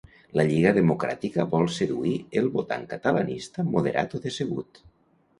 La Lliga Democràtica vol seduir el votant catalanista moderat o decebut.